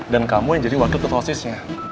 dan kamu yang jadi wakil ketua osisnya